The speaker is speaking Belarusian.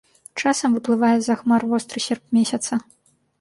Часам выплывае з-за хмар востры серп месяца.